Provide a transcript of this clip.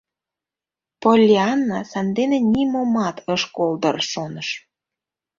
Поллианна сандене нимомат ыш кол дыр, шоныш.